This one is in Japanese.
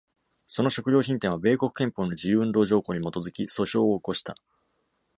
その食料品店は、米国憲法の自由運動条項に基づき訴訟を起こした。